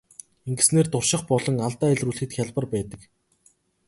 Ингэснээр турших болон алдаа илрүүлэхэд хялбар байдаг.